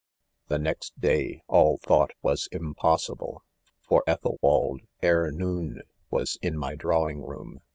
'The next day all thought was impossible, for Ethelwald, ere noon, was in my drawing room.